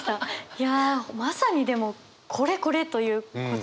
いやまさにでもこれこれ！ということですね。